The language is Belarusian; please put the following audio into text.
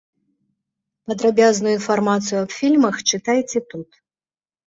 Падрабязную інфармацыю аб фільмах чытайце тут.